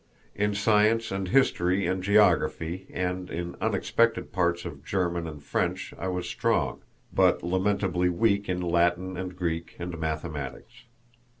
In science and history and geography and in unexpected parts of German and French I was strong, but lamentably weak in Latin and Greek and mathematics.